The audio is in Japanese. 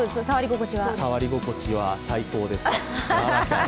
触り心地は最高です。